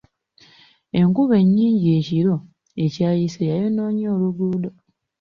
Enkuba ennyingi ekiro ekyayise yayonoonye oluguudo.